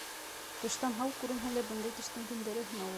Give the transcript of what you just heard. Тыштан һау күренһә лә, бындай тештең көндәре һанаулы.